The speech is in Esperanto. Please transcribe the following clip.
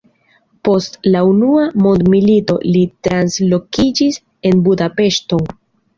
Post la unua mondmilito li translokiĝis en Budapeŝton.